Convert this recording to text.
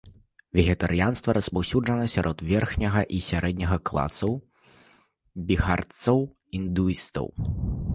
Вегетарыянства распаўсюджана сярод верхняга і сярэдняга класаў біхарцаў-індуістаў.